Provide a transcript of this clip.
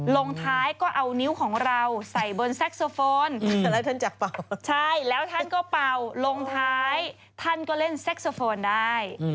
ลงท้ายก็เอานิ้วของเราใส่บนแซ็กโซโฟนแล้วท่านก็เป่าลงท้ายท่านก็เล่นแซ็กโซโฟนได้